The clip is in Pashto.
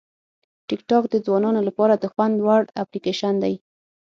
ټیکټاک د ځوانانو لپاره د خوند وړ اپلیکیشن دی.